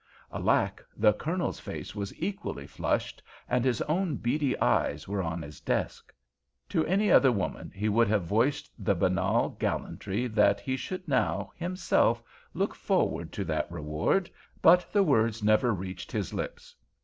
Alack! the Colonel's face was equally flushed, and his own beady eyes were on his desk. To any other woman he would have voiced the banal gallantry that he should now, himself, look forward to that reward, but the words never reached his lips.